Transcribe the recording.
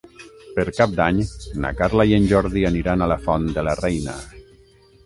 Per Cap d'Any na Carla i en Jordi aniran a la Font de la Reina.